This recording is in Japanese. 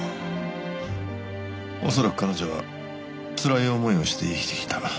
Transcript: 恐らく彼女はつらい思いをして生きてきた。